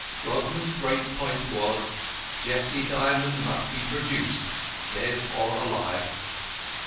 Grodman's great point was Jessie Dymond must be produced, dead or alive.